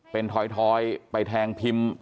เป็นทอยไปแทงพิมพ์